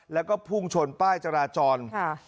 แล้วก็พุ่งชนป้ายจราจร